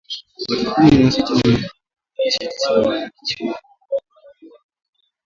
Watu kumi na sita na wanajeshi tisa walifikishwa mahakamani